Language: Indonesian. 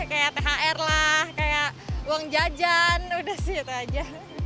kayak thr lah kayak uang jajan udah sih gitu aja